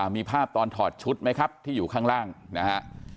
มีภาพตอนถอดชุดไหมครับที่อยู่ข้างล่างนะฮะ